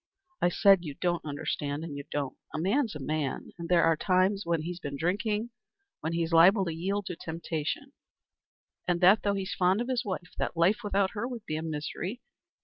I said you don't understand and you don't. A man's a man, and there are times when he's been drinking when he's liable to yield to temptation, and that though he's so fond of his wife that life without her would be misery.